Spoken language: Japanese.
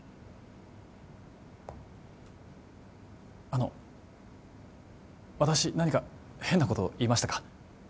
あの私何か変なことを言いましたか？